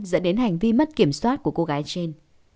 dẫn đến hành vi mất kiểm soát của cô gái trên